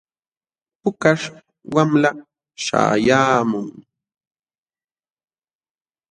Pukaśh wamla śhayaamun.